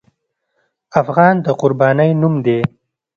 افغان د قربانۍ نوم دی.